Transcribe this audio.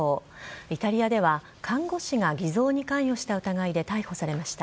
イタリアでは、看護師が偽造に関与した疑いで逮捕されました。